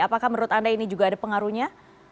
apakah menurut anda ini juga ada pengaruhnya